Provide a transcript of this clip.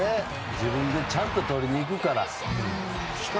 自分でちゃんととりにいくから。